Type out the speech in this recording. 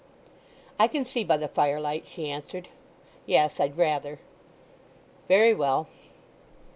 "I can see by the firelight," she answered. "Yes—I'd rather." "Very well."